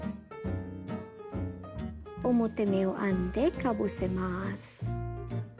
表目を編んでかぶせます。